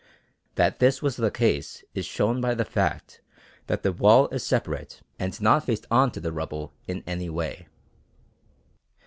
That this was the case is shown by the fact that the wall is separate and not faced on to the rubble in any way.